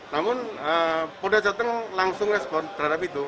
namun polda jawa tengah langsung respon terhadap itu